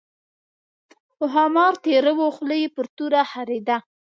خو ښامار تېراوه خوله یې پر توره خرېده.